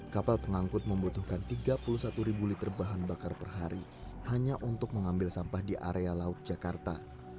kapal pengangkut membutuhkan tiga puluh satu ribu liter bahan bakar per hari hanya untuk mengambil sampah di area laut jakarta